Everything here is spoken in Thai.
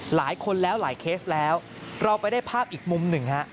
หลายคนแล้วหลายเคสแล้วเราไปได้ภาพอีกมุมหนึ่งฮะ